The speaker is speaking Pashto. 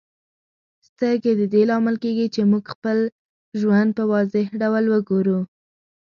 سترګې د دې لامل کیږي چې موږ خپل ژوند په واضح ډول وګورو.